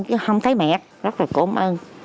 chứ không thấy mẹ rất là cổng ơn